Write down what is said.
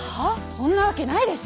そんなわけないでしょ！